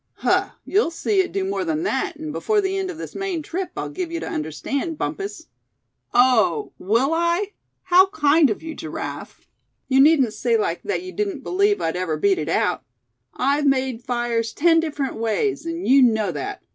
"Huh! you'll see it do more than that, and before the end of this Maine trip, I'll give you to understand, Bumpus." "Oh! will I? How kind of you, Giraffe." "You needn't say that like you didn't believe I'd ever beat it out. I've made fires ten different ways, and you know that.